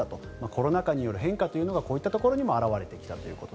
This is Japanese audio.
コロナ禍による変化というのがこういったところにも表れてきたと。